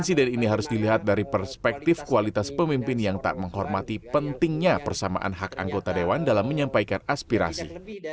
presiden ini harus dilihat dari perspektif kualitas pemimpin yang tak menghormati pentingnya persamaan hak anggota dewan dalam menyampaikan aspirasi